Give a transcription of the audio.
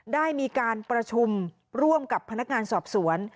ได้มีการประชุมร่วมกับพนักงานสอบสวน